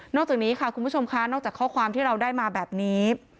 จากนี้ค่ะคุณผู้ชมค่ะนอกจากข้อความที่เราได้มาแบบนี้